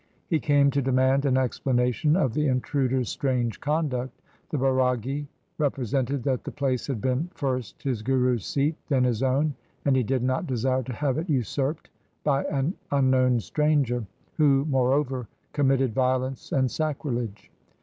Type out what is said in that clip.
He came to demand an explanation of the intruder's strange conduct. The Bairagi represented that the place had been first his guru's seat, then his own, and he did not desire to have it usurped by an unknown stranger, who moreover committed violence and sacrilege.